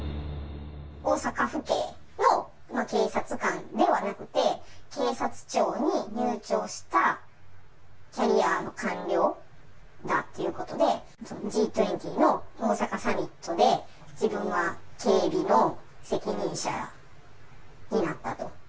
大阪府警の警察官ではなくて、警察庁に入庁したキャリア官僚だっていうことで、Ｇ２０の大阪サミットで、自分は警備の責任者になったと。